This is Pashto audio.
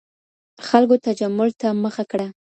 خلګو تجمل ته مخه کړه.